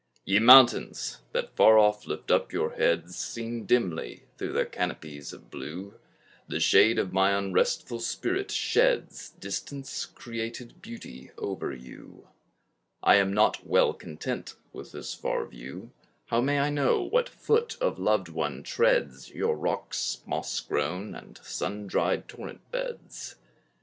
Ye mountains, that far off lift up your heads, Seen dimly through their canopies of blue, The shade of my unrestful spirit sheds Distance created beauty over you; I am not well content with this far view; How may I know what foot of loved one treads Your rocks moss grown and sun dried torrent beds?